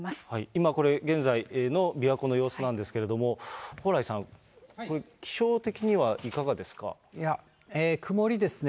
今、これ、現在の琵琶湖の様子なんですけれども、蓬莱さん、これ、曇りですね。